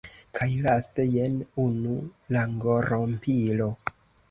Kaj laste, jen unu langorompilo: